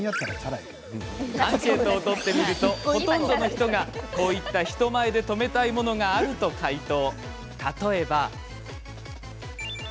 アンケートを取ってみるとほとんどの人が、こういった「人前で止めたいもの」があると回答。